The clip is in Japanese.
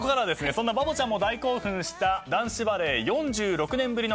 そんなバボちゃんも大興奮した男子バレー４６年ぶりの快挙